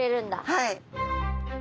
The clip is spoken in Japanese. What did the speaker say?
はい。